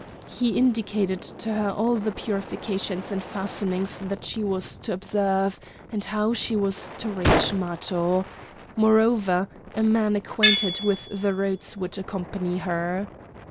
He indicated to her all the purifications and fastings that she was to observe, and how she was to reach Matho. Moreover, a man acquainted with the routes would accompany her.